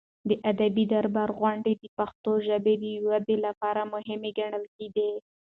د ادبي دربار غونډې د پښتو ژبې د ودې لپاره مهمې ګڼل کېدې.